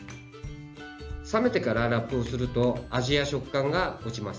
冷めてからラップをすると味や食感が落ちます。